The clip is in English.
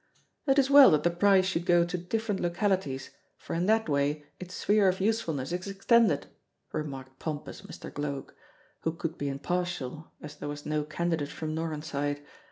"It is well that the prize should go to different localities, for in that way its sphere of usefulness is extended," remarked pompous Mr. Gloag, who could be impartial, as there was no candidate from Noran Side.